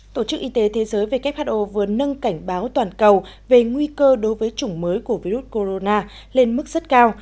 tổ chức y tế thế giới who vừa nâng cảnh báo toàn cầu về nguy cơ đối với chủng mới của virus corona lên mức rất cao